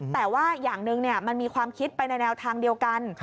แต่ว่าอย่างหนึ่งมันมีความคิดไปในแนวทางเดียวกัน